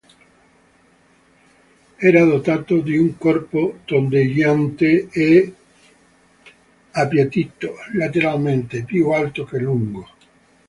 Era dotato di un corpo tondeggiante e appiattito lateralmente, più alto che lungo.